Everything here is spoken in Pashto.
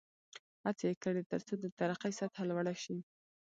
هڅې یې کړې ترڅو د ترقۍ سطحه لوړه شي.